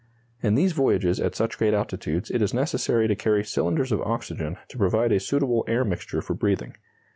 In these voyages at such great altitudes it is necessary to carry cylinders of oxygen to provide a suitable air mixture for breathing.